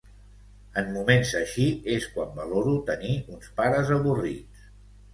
En moments així és quan valoro tenir uns pares avorrits.